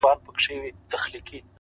ته هم چنداني شی ولاکه يې ه ياره’